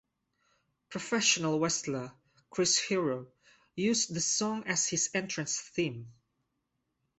Professional wrestler Chris Hero used the song as his entrance theme.